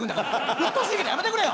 うっとうしいからやめてくれよ！